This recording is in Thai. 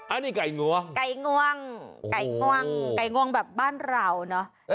อันนี้ไก่งวงไก่ง่วงไก่ง่วงไก่งวงแบบบ้านเราเนอะ